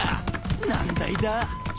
難題だ。